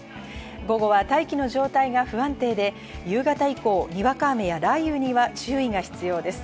午後は大気の状態が不安定で夕方以降、にわか雨や雷雨には注意が必要です。